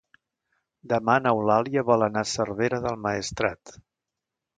Demà n'Eulàlia vol anar a Cervera del Maestrat.